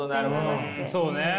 そうね。